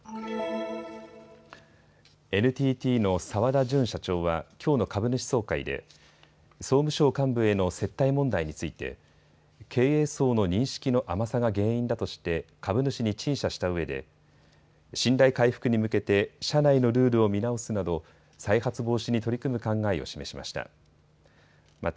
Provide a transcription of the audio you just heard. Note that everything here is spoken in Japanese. ＮＴＴの澤田純社長はきょうの株主総会で総務省幹部への接待問題について経営層の認識の甘さが原因だとして株主に陳謝したうえで信頼回復に向けて社内のルールを見直すなど再発防止に取り組む考えを示しました。